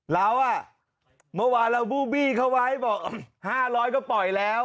เราอ่ะเมื่อวานเราบูบี้เขาไว้บอก๕๐๐ก็ปล่อยแล้ว